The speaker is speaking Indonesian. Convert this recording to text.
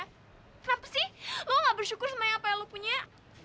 kenapa sih lo gak bersyukur sama apa yang lo punya